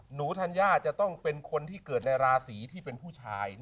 ธัญญาจะต้องเป็นคนที่เกิดในราศีที่เป็นผู้ชาย